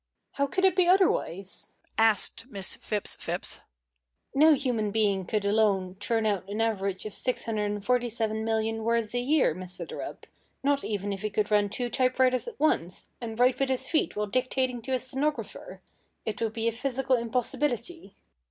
"How could it be otherwise?" asked Miss Phipps Phipps. "No human being could alone turn out an average of 647,000,000 words a year, Miss Witherup, not even if he could run two type writers at once, and write with his feet while dictating to a stenographer. It would be a physical impossibility."